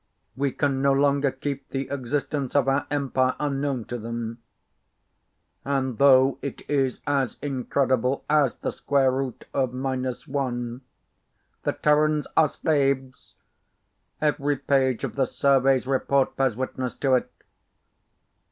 We can no longer keep the existence of our Empire unknown to them. And (though it is as incredible as [sqrt]( 1)) the Terrans are slaves! Every page of the survey's report bears witness to it.